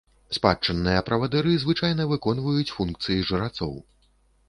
Спадчынныя правадыры звычайна выконваюць функцыі жрацоў.